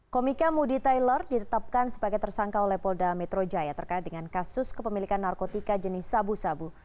komika moody taylor ditetapkan sebagai tersangka oleh polda metro jaya terkait dengan kasus kepemilikan narkotika jenis sabu sabu